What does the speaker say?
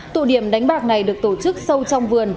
tụ điểm đánh bạc này được tổ chức sâu trong vườn